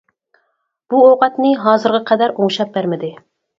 بۇ ئوقەتنى ھازىرغا قەدەر ئوڭشاپ بەرمىدى.